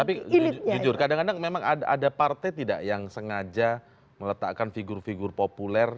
tapi jujur kadang kadang memang ada partai tidak yang sengaja meletakkan figur figur populer